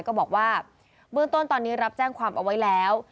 ก็บอกว่าเบื้องต้นตอนนี้รับแจ้งความเอาไว้แล้ว